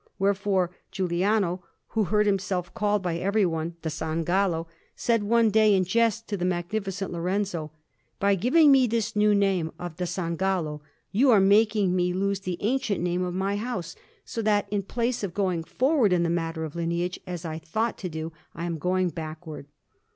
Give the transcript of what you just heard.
Wherefore Giuliano, who heard himself called by everyone "da San Gallo," said one day in jest to the Magnificent Lorenzo, "By giving me this new name of 'da San Gallo,' you are making me lose the ancient name of my house, so that, in place of going forward in the matter of lineage, as I thought to do, I am going backward."